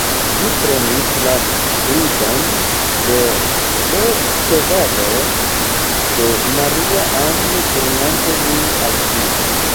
Mi prenis la bridon de l' ĉevalo de Maria-Ann turnante min al ŝi.